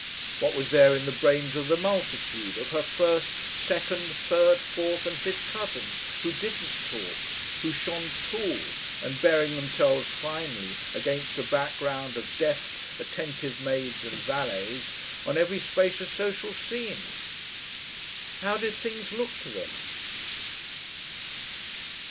What was there in the brains of the multitude of her first, second, third, fourth, and fifth cousins, who didn't talk, who shone tall, and bearing themselves finely, against a background of deft, attentive maids and valets, on every spacious social scene? How did things look to them?